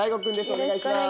お願いします。